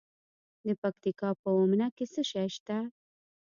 د پکتیکا په اومنه کې څه شی شته؟